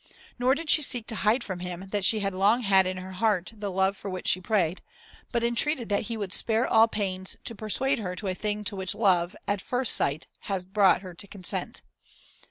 Nor did she seek to hide from him that she had long had in her heart the love for which he prayed, but entreated that he would spare all pains to persuade her to a thing to which love, at first sight, had brought her to consent.